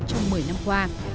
trong một mươi năm qua